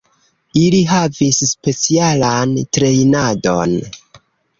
Ili havis specialan trejnadon.